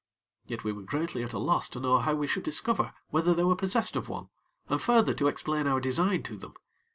Yet we were greatly at a loss to know how we should discover whether they were possessed of one, and further to explain our design to them.